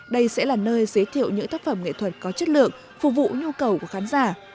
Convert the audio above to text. đây sẽ là nơi giới thiệu những tác phẩm nghệ thuật có chất lượng phục vụ nhu cầu của khán giả